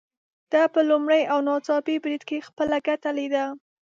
ده په لومړي او ناڅاپي بريد کې خپله ګټه ليده.